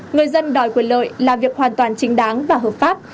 người dân đòi quyền lợi là việc hoàn toàn chính đáng và hợp pháp